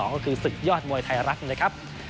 ก็คือศึกยอดมวยไทยรัฐนะครับ